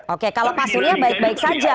oke kalau pak surya baik baik saja